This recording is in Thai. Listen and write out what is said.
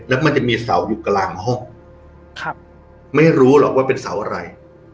แล้วมันจะมีเสาอยู่กลางห้องครับไม่รู้หรอกว่าเป็นเสาอะไร